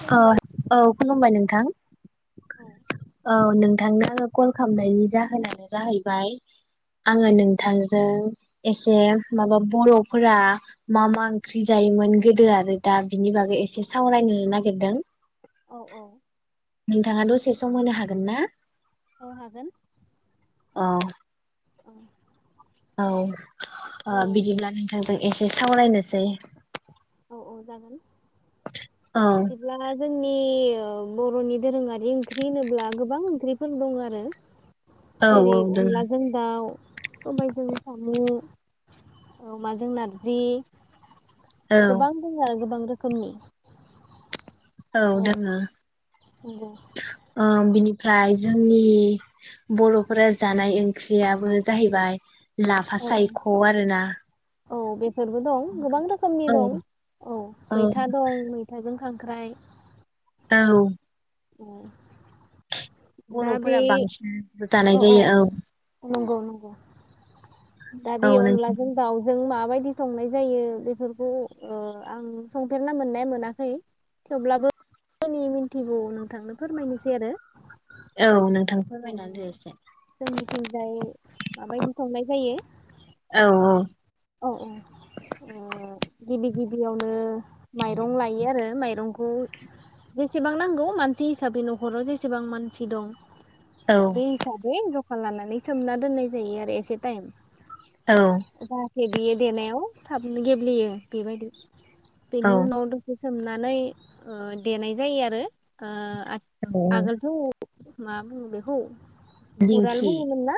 खुलुमबाय औ खुलुमबाय नोंथां औ औ नोंथांनो कल खालामनायनि जाहोनानो जाहैबाय औ आङो नोंथांजों एसे माबा बर'फोरा मा -मा ओंख्रि जायोमोन गोदो आरो दा बिनि बागै एसे सावरायनो नागिर दों। औ नोंथाङा द'से सम होनो हागोन ना? औ हागोन। औ। ओ। औ ओ बिदिब्ला नोंथांजों-' एसे सावरायनोसै। औ-औ जागोन। औ बिदिब्ला जो जोंनि ओ बर'नि दोरोङारि ओंख्रि होनोब्ला गोबां ओंख्रिफोर दं आरो। औ जेरै- दोङो अनलाजों दाउ, सबायजों साम' अमाजों नारजि, औ गोबां दंङ आरो गोबां रो खोमनि। औ दोङो। नंगौ ओ बिनि ओमफ्राय जोंनि बर'फोरा जानाय ओंख्रियाबो जाहैबाय लाफा औ औ सायख' आरोना। औ बे फोरबो दं गोबां रोखोमनि औ दं अ औ मैथा दं मैथाजों खां ख्राय। औ। उम। बर'फोरा बांसिन जानाय जायो औ। नंगौ नंगौ दा औ बे नोंथां अनलाजों दाउजों माबायदि संनाय जायो बेफोरखौ ओ आं संफेरना मोननाय मोनाखै थेवब्लाबो। [unintelligible] नि मिन्थिगौ नोंथांनो फोरमायनोसै आरो औ नों औ औ जोंनिथिंजाय माबायदि संनाय औ जायो औ औ औ ओ। गिबि गिबियावनो माइरं लायो आरो माइरंखौ जेसेबां नांगौ मानसि हिसाबै न'खराव जेसेबां मानसि दं। औ बे हिसाबै ज खा लानानै सोमना दोननाय जायो आरो एसे टाइम। औ। गेब्लेयो देनायाव थाबनो गेब्लेयो बेबायदि। औ बेनि उनाव द'से सोमनानै ओ देनाय जायो आरो ओ आ औ आगोलथ' मा बुङो बेखौ उराल दिंखि बुङोमोन ना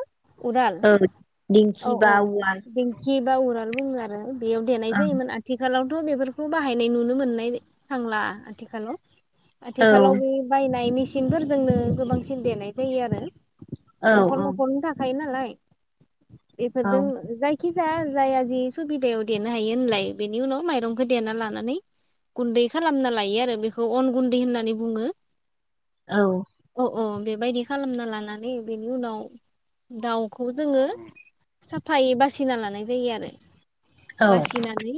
उराल औ औ दिंखि बा औ उवाल दिंखि दा उराल बुङो आरो बेयाव देनाय औ जायोमोन आथिखालाव थ' बेफोरखौ बाहायनाय नुनो मोननाय थांला आथिखालाव। औ आथिखालाव बे बायनाय मि सिनफोरजोंनो गोबांसिन देनाय जायो आरो औ न'खर औ न'खरैनो थाखायो नालाय। [inaudible] औ बेफोरजों जाय खिजाया जाया जि सुबिदायाव देनो हायो होनलाय बेनि उनाव माइरंखौ देना लानानै गुन्दै खालामना लायो आरो बेखौ अन गुन्दै होननानै बुङो। औ अ बेबायदि खालामना लानानै बेनि उनाव दाउखौ जोङो साफायै बासिना लानाय जायो आरो औ बासिनानै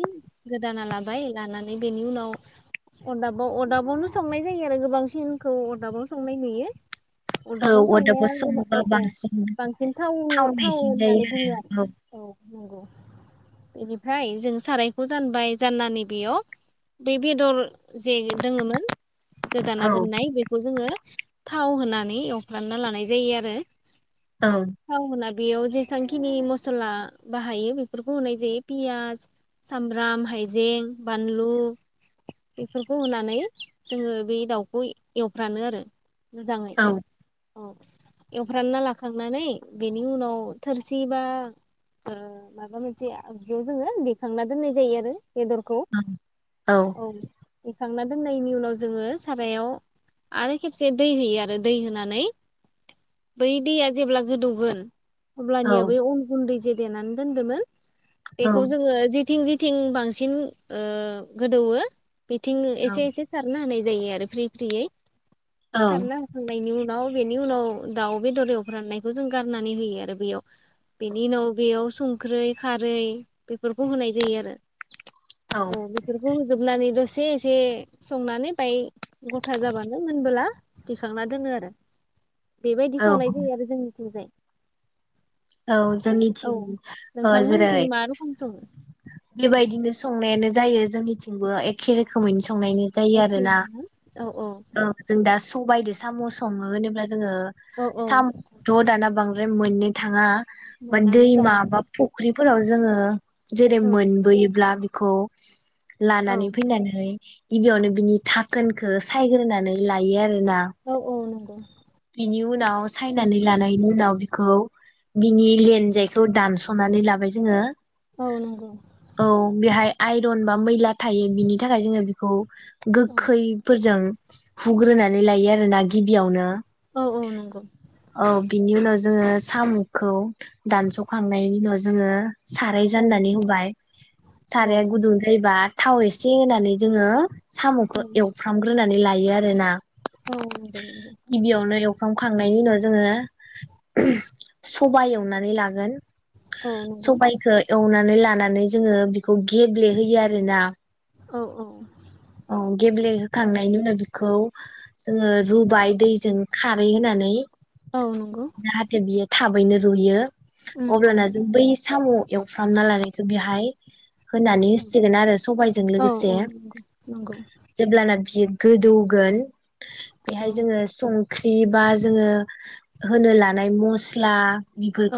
गोदाना लाबाय लानानै बेनि उनाव अरदाबाव अरदाबावनो संनाय जायो आरो गोबांसिनखौ अरदाबाव संनाय नुयो। अदाबाव अरदाबाव संनाया गोबां सङोबा औ औ बांसिन बांसिन थावौ थावौ थावनायसिन होननानै बुङो जायो आरो औ नंगौ बेनिफ्राय जों सारायखौ जानबाय जानना नै बेयाव बे बेदर जे दोङोमोन गोदाना औ दोननाय बेखौ जोङो थाव होना- नै एवफ्रामना लानाय जायो आरो औ औ बेयाव जेसेबांखिनि मसला बाहायो बेफोरखौ होनाय जायो पियास सामब्राम हायजें बानलु बेफोरखौ होनानै जोङो बे दाउखौ एवफ्रानो आरो मोजाङै औ औ एवफ्रानना लाखांनानै बेनि उनाव थोरसि बा अ माबा मोनसे आगजुयाव जोङो देखांना दोननाय जायो आरो बेदरखौ औ खांना दोननायनि उनाव जोङो सारायाव आरो खेबसे दै होयो आरो दै होनानै बै दैया जेब्ला गोदौगोन अब्लानिया बै अन गुन्दै देनानै दोनदोंमोन बेखौ जोङो जेथिं जि थिं बांसिन ओ गोदौवो बिथिं एसे एसे सारना होनाय दै आरो फ्रि फ्रियै औ थारला बेनि उनाव बेनि उनाव दाउ बेदर एवफ्रामनायखौ जों गारनानै होयो आरो बेयाव बेनि उनाव बेयाव संख्रै खारै बेफोरखौ होनाय जायो आरो अ बेफोरखौ होजोबनानै दसे एसे एसे संनानै बाय गथा जाबानो मोनबोला खांना दोनो आरो बेबायदि औ संनाय जायो आरो जोंनिथिंजाय औ जोंनिथिं ओ जेरै नोंथांमोननिथिं मा रोखोम सङो बेबायदिनो संनायानो जायो जोंनि जोंबो एखे रोखोमैनो संनायनि जायो आरोना एखेयैनो ना? औ औ जों दा स सबायदो साम' सङो होनोब्ला जोङो औ औ सामथ' दाना बांद्राय बे मोननो थाङा बद मोनानो दाना दैमाबा फु फुख्रिफोराव जोङो जेरै औ मोनबोयोब्ला गु औ लानानै फैनानै गिबियावनो बिनि थाखोनखौ सायग्रोनानै लायो आरो। औ औ नंगौ। उनाव सायनानै लानायनि उनाव बिखौ बिनि लेनजायखौ दानस'नानै लाबाय जोङो। औ नंगौ औ बेहाय आइरन बा मैला थायो बिनि थाखाय जोङो बेखौ औ गोखैफोरजों हुग्रोनानै लायो आरो ना गिबियावनो औ औ नंगौ औ बिनि उनाव जों जोङो साम'खौ दानस'खांनायनि उनाव जोङो साराइ औ जाननानै होबाय औ साराया नंगौ गुदुं जायोबा थाव एसे होनानै जोङो औ साम'खौ एवफ्रामग्रोनानै ला हायो आरोना औ नंगौ नंगौ। खांनायनि उनाव जोङो सबाय एवनानै लागोन औ नंगौ सबायखो एवनानै ला लानानै जोङो बेखौ गेब्लेहोयो आरोना औ औ औ गेब्लेहोखांनायनि उनाव बेखौ जोङो रुबाय दैजों खारै होनानै औ नंगौ जाहाथे बियो थाब यैनो रुइयो उम अब्लाना जों बै साम' एवफ्रामना लानायखौ बेहाय होनानै औ होसिगोन आरो सबायजों औ लोगोसे औ नंगौ नंगौ जेब्लाना बियो गोदौ गोन औ बेहाय जोङो सं ख्रि बा जोङो होनो लानाय मस्ला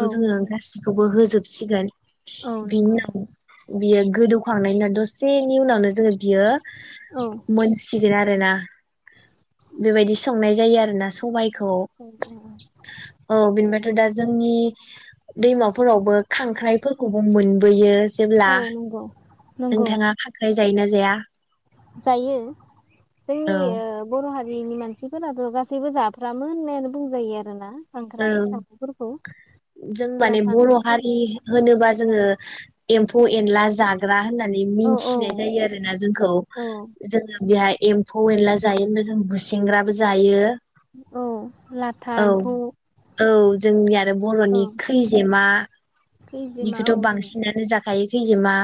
औ जोङो नंगौ गासिखौबो होजोब सिगोन औ नंगौ बिनि [inaudible] बियो गोदौखांनायनि उनाव दसेनि उनावनो जोङो बियो औ मोनसिगोन आरोना बेबायदि संनाय जायो आरोना सबाय [inaudible] आरो दा जोंनि दैमाफोरावबो खांख्राइफोरखौबो मोनबोयो जेब्ला औ नंगौ नंगौ नोंथाङा खांख्राय जायोना जाया? जायो जोंनि औ ओ बर' हारि नि मानसिफोराथ' गासैबो जाफ्रामो होननायानो बुंजायो आरो ना औ जों माने बर' जाफानाय हारि होनोबा औ जोङो एम्फौ एनला जा ग्रा होननानै औ औ मिथिनाय जायो आरोना जोंखौ औ जोङो बेहाय एम्फौ एनला जायो होनबा जों गुसेंग्राबो जायो औ लाथा औ एम्फौ औ जोंनि आरो औ बर'नि खैजिमा औ खैजेमानिखौथ' दङ बांसिनानो जा खायो खैजेमा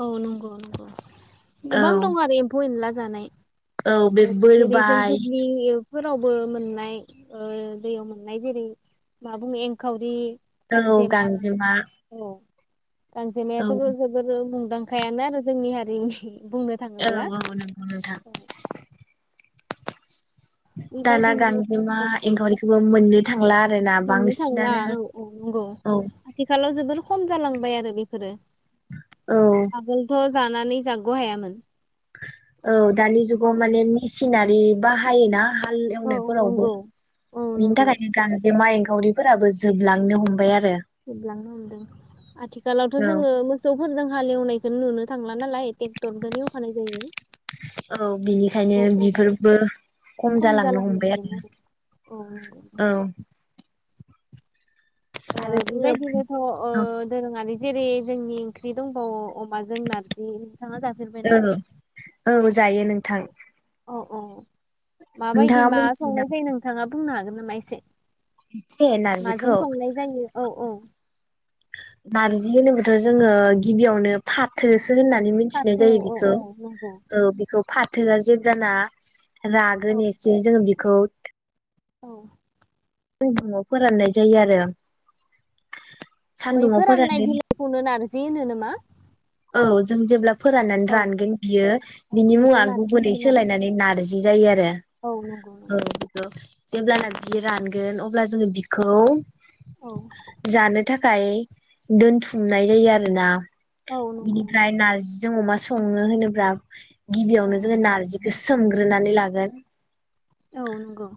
औ नंगौ नंगौ औ गोबां दं आरो एम्फौ एनला जानाय। औ बे ओ जेरै जों बोरबाय दुब्लि फोरावबो मोननाय ओ दैयाव मोननाय जेरै मा बुङो एंखावरि औ गांजेमा। औ गांजेमायाथ' औ जोबोरो मुं दांखायानो आरो जोंनि हारिनि। बुंनो औ थाङोब्ला औ नोंगौ नोंथां। औ दाना बेबायदिनो गांजेमा औ एंखावरिखौबो मोननो थांला आरोना मोननो थांला बांसिनानो औ औ नंगौ औ आथिखालाव जोबोर खम जालांबाय आरो बेफोरो। औ आगोलथ' जानानै जाग' हायामोन। औ दानि औ जुगाव माने मिसिना [unintelligible] बाहायोना हाल औ एनायफोरावबो नंगौ औ बिनि नंगौ थाखायनो गांजेमा एं खावरिफोराबो जोबलांनो हमबाय आरो जोबलांनो हमदों आथिखालावथ' औ जोङो मोसौफोरजों हालेवनायखौनो नुनो थांला नालाय टेक्टरदों एवखानाय जायो औ बिनिखायनो बिफोरबो खम जालांनो हमबाय आरो औ नंगौ औ। ओ आरो जोङो बेबायदिनोथ' ओ दोरोङारि जेरै जोंनि ओंख्रि दंबावो अमाजों नारजि थाङा जाफेरबाय ना? औ औ जायो नोंथां। औ औ माबायदि नोंथाङा मा मिथियो संनाय नामा जायो नोंथाङा बुंनो हागोन? नामा एसे एसे [inaudible] माजों नारजिखौ संनाय जायो औ औ नारजि होनोबथ' जोङो गिबियावनो फाथो होननानै मिथिनाय फाथो जायो औ बिखौ औ नंगौ ओ बिखौ फाथोआ जेबजाना औ रागोन एसे जोङो [unintelligible] औ सानदुंआव फोराननाय जायो आरो सान्दुङाव बैफोर राननाय फोरानो बिलाइखौनो नारजि होनो नामा? औ जों जेब्ला फोराननानै औ रानगोन बियो औ बिनि बेखौ मुङा नारजि गुबुनै होनगोन आरो सोलायनानै नारजि जायो आरो औ नंगौ औ नंगौ बेखौ जेब्लाना बि रानगोन अब्ला जोङो बिखौ औ [inaudible] जानो थाखाय दोनथुमनाय जायो आरोना औ नंगौ बिनिफ्राय नंगौ नारजिजों अमा स संनो होनोब्ला औ गिबियावनो जोङो नारजिखौ सोमग्रोनानै लागोन गोन औ नंगौ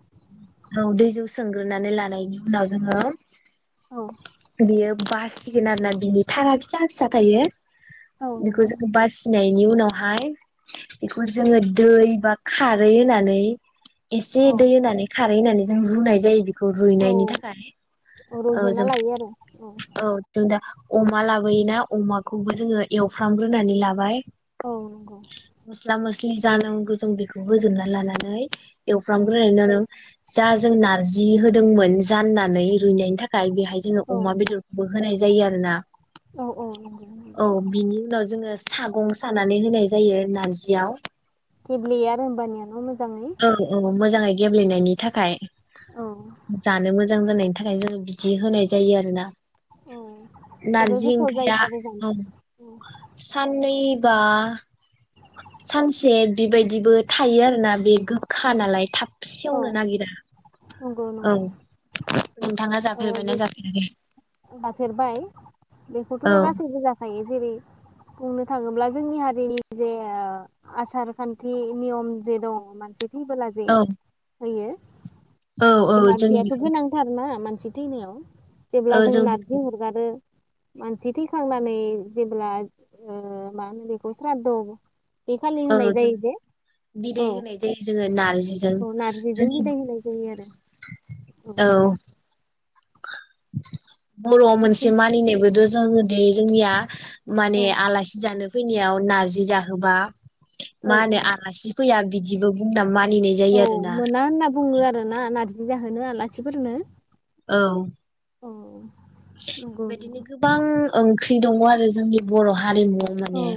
औ दै जौ सोंग्रोनानै लानायनि उनाव जोङो औ बियो बासिगोन आरोना बिनि थारा फिसा फिसा थायो औ बेखौ नंगौ जा बासिनाय नि उनावहाय बेखौ औ जोङो दै बा खारोै होननानै इसि दै होनानै खारै होना नै जों रुनाय जायो बि औ रुइनायनि थाखाय औ रुइहोना जों लायो आरो औ जों दा अमा लाबोयोना अमाखौबो जोङो एवफ्रामग्रोनानै लाबाय औ नंगौ जि जानांगौ जों बेखौ होजोबना लानानै औ एवफ्राग्रोना नो आरो जा जों नारजि होदोंमोन जाननानै रुइनाय नि थाखाय बेहाय जोङो औ अमा बेदरखौबो होनाय जायो जायो आरो ना औ औ नंगौ नंगौ औ बिनि उनाव जोङो सागं सानानै होनाय जायो नारजियाव। केेबलिया आरो होमबानियानो मो औ औ मोजाङै गेब्लेनायनि थाखाय औ जानो मोजां जानाय थाखाय जोङो बिदि होनाय जायो आरोना। औ जोबोर नारजि गोथाव जायो ओंख्रिया आरो औ जानो औ साननैबा सानसे बेबायदिबो थायो आरोना बे गोखा नालाय थाब औ सेवनो नागिरा नंगौ औ नंगौ नोंथाङा ओ बे जाफेरबायना जाफेराखै? जाफेरबाय बेखौथ' औ गासैबो जाखायो। जेरै बुंनो थाङोब्ला जोंनि हारिनि जे ओ आसार खान्थि नियम जे दङ मोनसे थैबोला जे औ होयो औ ओम औ बे जों नारजियाथ' बेखौ गोनांथारना मान सि थैनायाव जेब्ला औ जोङो जों नारजि बेखौ अरगारो मानसि थैखांना नै जेब्ला ओ मा होनो बेखौ स्राद्ध बे खालि औ होनाय जों जायो जे औ बिदाय होनाय जायो जोङो ना औ नारजिजों बिदाय होनाय जायो आरो औ। बर'आव मोनसे मानिनायबो दो जोङो दे जोंनिया माने औ आलासि जानो फैनायाव नारजि जाहोबा मा औ होनो औ आलासि फैया बिदिबो बुं नाम औ मोना होनना बुङो आरो ना नारजि जा होनो आलासिफोरनो। औ। औ। नंगौ बेबायदिनो नंगौ गोबां ओंख्रि दङ' आरो जोंनि बर'हारि हारिमुआव औ माने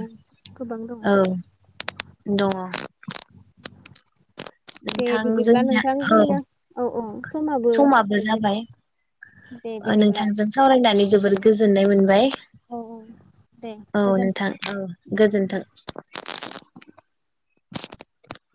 गोबां दं औ दङ' दे नोंथां बिदिब्ला जोंनिया औ नोंथांजोंनो औ औ समाबो जोबगोन दे बिदिब्ला। जोबोद गोजोननाय मोनबाय। औ औ दे औ गोजोन नोंथां औ गोजोनथों।